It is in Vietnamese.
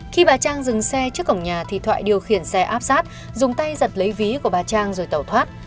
khi bà trang dừng xe trước cổng nhà thì thoại điều khiển xe áp sát dùng tay giật lấy ví của bà trang rồi tẩu thoát